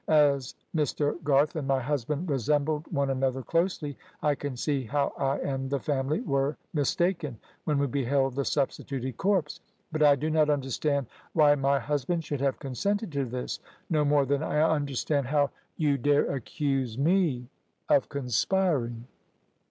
As Mr. Garth and my husband resembled one another closely, I can see how I and the family were mistaken when we beheld the substituted corpse. But I do not understand why my husband should have consented to this, no more than I understand how you dare accuse me of conspiring."